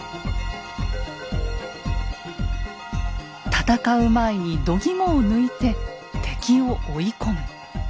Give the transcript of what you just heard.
戦う前にどぎもを抜いて敵を追い込む。